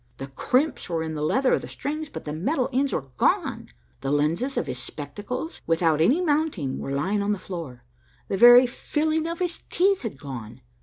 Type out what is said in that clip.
The crimps were in the leather of the strings, but the metal ends were gone. The lenses of his spectacles, without any mounting, were lying on the floor. The very filling of his teeth had gone.